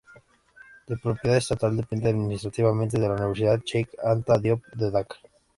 De propiedad estatal depende administrativamente de la Universidad Cheikh Anta Diop de Dakar.